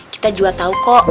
kita juga tau kok